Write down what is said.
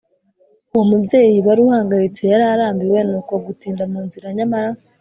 uwo mubyeyi wari uhangayitse yari arambiwe n’uko gutinda mu nzira, nyamara